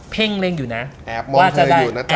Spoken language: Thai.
เพ่งเล่นอยู่นะแอบมองเธออยู่นะจ๊ะ